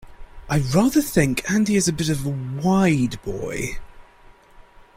I rather think Andy is a bit of a wide boy.